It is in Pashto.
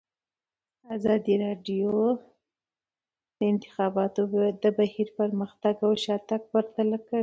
ازادي راډیو د د انتخاباتو بهیر پرمختګ او شاتګ پرتله کړی.